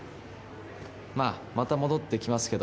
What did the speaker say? まあまた戻って来ますけど。